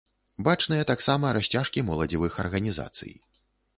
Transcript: Бачныя таксама расцяжкі моладзевых арганізацый.